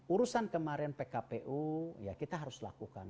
urusan kemarin pkpu ya kita harus lakukan